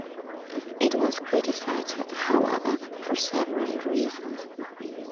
It was criticized, however, for several reasons.